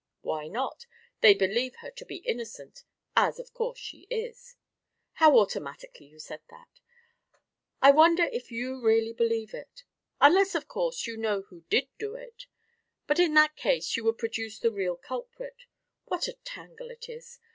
"Why not? They believe her to be innocent, as of course she is." "How automatically you said that! I wonder if you really believe it unless, of course, you know who did do it. But in that case you would produce the real culprit. What a tangle it is!